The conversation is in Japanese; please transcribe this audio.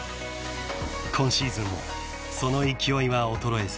［今シーズンもその勢いは衰えず］